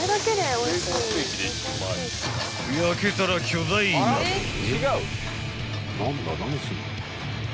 ［焼けたら巨大鍋へ］